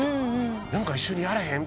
何か一緒にやらへん？」